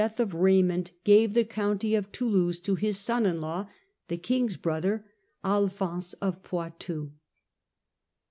AND ST LOUIS 109 gave the County of Toulouse to his son in law, the king's brother, Alphonse of Poitou.